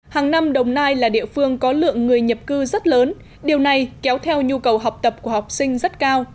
hàng năm đồng nai là địa phương có lượng người nhập cư rất lớn điều này kéo theo nhu cầu học tập của học sinh rất cao